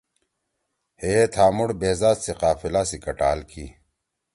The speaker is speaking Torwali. ہیے تھا مُوڑ بیذات سی قافلہ سی کٹال کی۔